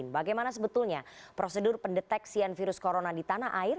bagaimana sebetulnya prosedur pendeteksian virus corona di tanah air